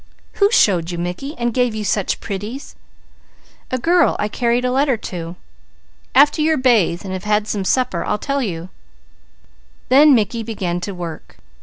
"Who showed you Mickey, and gave you such pretties?" "A girl I carried a letter to. After you're bathed and have had supper I'll tell you." Then Mickey began work.